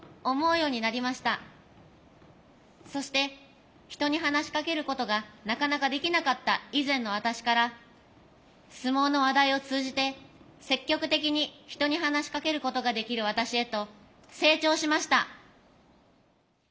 そして人に話しかけることがなかなかできなかった以前の私から相撲の話題を通じて積極的に人に話しかけることができる私へと成長しました。